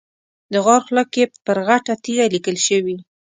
د غار خوله کې پر غټه تیږه لیکل شوي.